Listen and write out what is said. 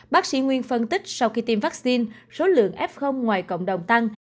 bác sĩ nguyên phân tích sau khi tiêm vaccine số lượng f ngoài cộng đồng tăng